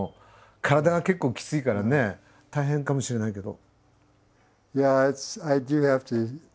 体が結構きついからね大変かもしれないけど。